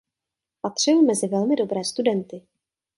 Patřil mezi velmi dobré studenty.